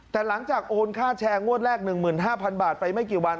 แต่หลังจากโอนค่าแชร์งวดแรก๑๕๐๐๐บาทไปไม่กี่วัน